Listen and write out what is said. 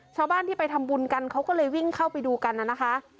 ชาวบ้านที่ไปทำบุญกันเขาก็เลยวิ่งเข้าไปดูกันนะคะ